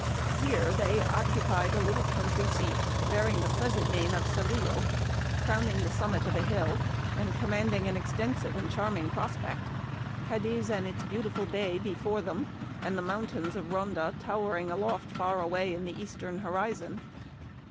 Here they occupied a little country seat, bearing the pleasant name of CerillOy crowning the summit of a hill, and commanding an extensive and charming pros pect — Cadiz and its beautiful bay before them, and the mountains of Ronda towering aloft far away in the eastern horizon.